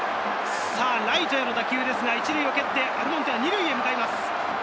ライトへの打球、１塁を蹴って、アルモンテは２塁に向かいます。